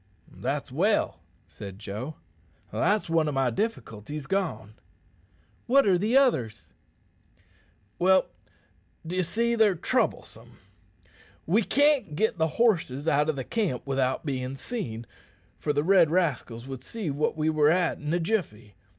"That's well," said Joe. "That's one o' my difficulties gone." "What are the others?" "Well, d'ye see, they're troublesome. We can't git the horses out o' camp without bein' seen, for the red rascals would see what we were at in a jiffy.